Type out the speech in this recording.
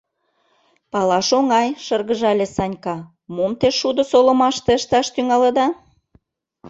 — Палаш оҥай, — шыргыжале Санька, — мом те шудо солымаште ышташ тӱҥалыда?